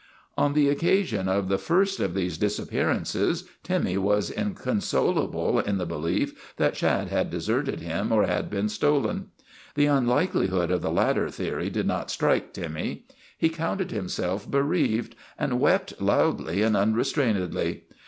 On the occasion of the first of these disappear ances Timmy was inconsolable in the belief that Shad had deserted him or had been stolen. The unlikelihood of the latter theory did not strike Timmy. He counted himself bereaved and wept loudly and unrestrainedly.